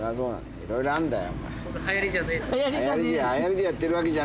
いろいろあんだよ。